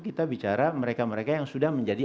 kita bicara mereka mereka yang sudah menjadi